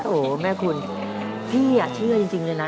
โอ้โหแม่คุณพี่เชื่อจริงเลยนะ